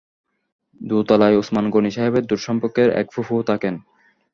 দোতলায় ওসমান গনি সাহেবের দূর সম্পর্কের এক ফুপূও থাকেন।